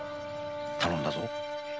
頼んだぞ。